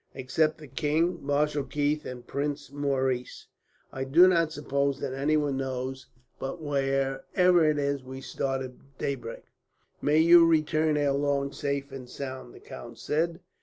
Except the king, Marshal Keith, and Prince Maurice, I do not suppose that anyone knows; but wherever it is, we start at daybreak." "May you return, ere long, safe and sound!" the count said.